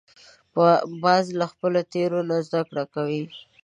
باز له خپلو تېرو نه زده کړه کوي